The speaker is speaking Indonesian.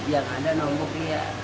yang ada nombok dia